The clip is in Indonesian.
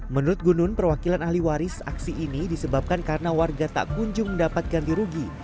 menurut gunun perwakilan ahli waris aksi ini disebabkan karena warga tak kunjung mendapat ganti rugi